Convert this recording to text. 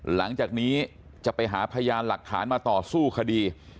หลังจากนี้จะไปหาพยานหลักฐานมาต่อสู้คดี